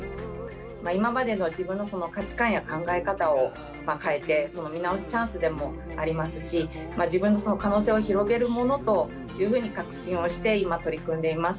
今までの自分の価値観や考え方を変えて、その見直すチャンスでもありますし、自分の可能性を広げるものというふうに確信をして、今、取り組んでいます。